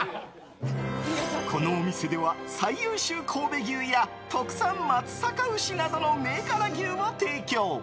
このお店では最優秀神戸牛や特産松阪牛などの銘柄牛を提供。